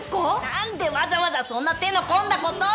なんでわざわざそんな手の込んだ事を！